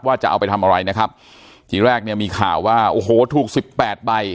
ว่าจะเอาไปทำอะไรนะครับทีแรกเนี่ยมีข่าวว่าโอ้โหถูกสิบแปดใบ